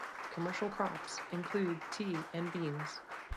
Commercial crops include tea and beans.